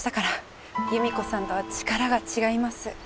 由美子さんとは力が違います。